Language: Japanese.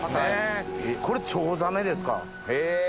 これチョウザメですかへぇ。